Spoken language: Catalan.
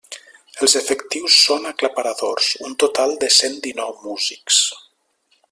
Els efectius són aclaparadors: un total de cent dinou músics.